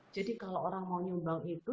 jadi kalau orang mau nyumbang itu